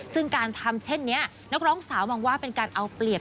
ซึ่งการทำเช่นนี้นักร้องสาวมองว่าเป็นการเอาเปรียบ